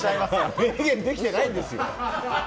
明言できていないんですよ。